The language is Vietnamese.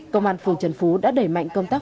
công an phường trần phú đã đẩy mạnh công tác